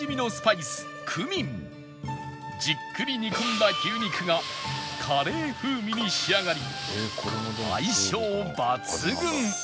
じっくり煮込んだ牛肉がカレー風味に仕上がり